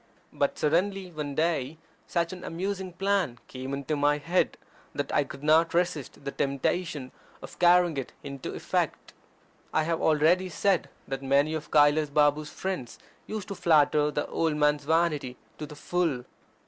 But suddenly one day such an amusing plan came into my head, that I could not resist the temptation of carrying it into effect. I have already said that many of Kailas Babu's friends used to flatter the old man's vanity to the full.